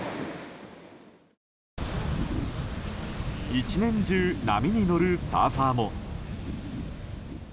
１年中波に乗るサーファーも。